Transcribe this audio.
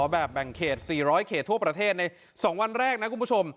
แบ่งเขต๔๐๐เขตทั่วประเทศใน๒วันแรกนะคุณผู้ชม